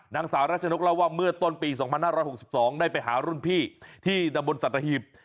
นางสาวรัชนกเล่าว่าเมื่อต้นปี๒๕๖๒ได้ไปหารุ่นพี่ที่ตำบลสัตหีบ